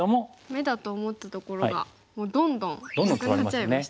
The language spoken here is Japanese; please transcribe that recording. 眼だと思ったところがどんどんなくなっちゃいましたね。